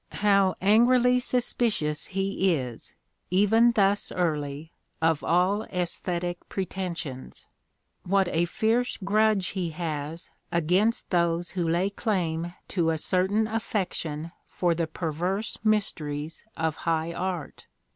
How angrily suspicious he is, even thus j early, of all aesthetic pretensions ! What a fierce grudge 1 he has against those who lay claim to a certain affection \ for the perverse mysteries of high art!